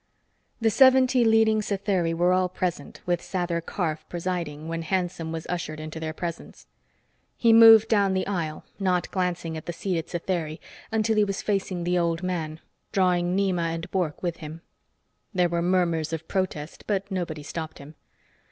The seventy leading Satheri were all present, with Sather Karf presiding, when Hanson was ushered into their presence. He moved down the aisle, not glancing at the seated Satheri, until he was facing the old man, drawing Nema and Bork with him. There were murmurs of protest, but nobody stopped him.